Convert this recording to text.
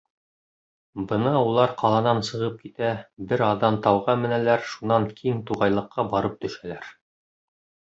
Бына улар ҡаланан сығып китә, бер аҙҙан тауға менәләр, шунан киң туғайлыҡҡа барып төшәләр.